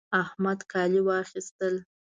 احمد کالي واخيستل